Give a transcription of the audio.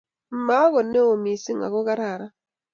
Makot neo missing ago kararan